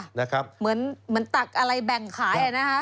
เหมือนตักอะไรแบ่งขายอ่ะนะครับ